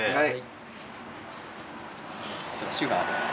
はい。